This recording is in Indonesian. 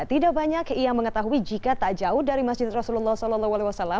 tidak banyak yang mengetahui jika tak jauh dari masjid rasulullah saw